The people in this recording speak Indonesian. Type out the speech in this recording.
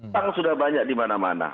bank sudah banyak di mana mana